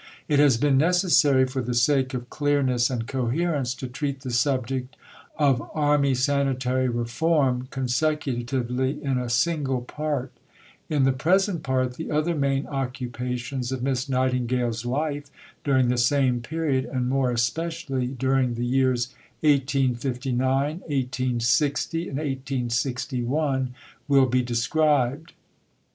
It has been necessary, for the sake of clearness and coherence, to treat the subject of Army sanitary reform consecutively in a single Part. In the present Part the other main occupations of Miss Nightingale's life during the same period, and more especially during the years 1859, 1860, and 1861, will be described.